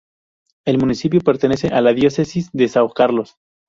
El municipio pertenece a la Diócesis de São Carlos.